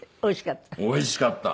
おいしかった？